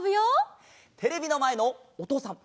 テレビのまえのおとうさん